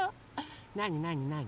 なになになに？